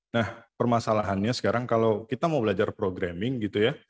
nah permasalahannya sekarang kalau kita mau belajar programming gitu ya